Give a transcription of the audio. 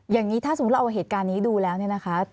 อย่างนี้ถ้าสมมุติเราเอาเหตุการณ์นี้ดูแล้วเนี่ยนะคะ